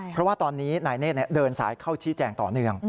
เพราะว่าตอนนี้นายเนธเดินสายเข้าชี้แจงต่อเนื่อง